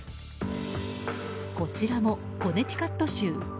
こちらもコネティカット州。